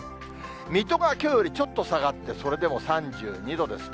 水戸がきょうよりちょっと下がって、それでも３２度ですね。